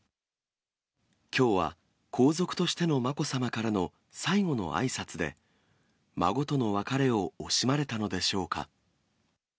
きょうは皇族としてのまこさまからの最後のあいさつで、孫との別れを惜しまれたのでしょうか。